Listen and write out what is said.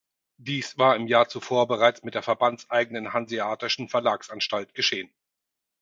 Dies war im Jahr zuvor bereits mit der verbandseigenen Hanseatischen Verlagsanstalt geschehen.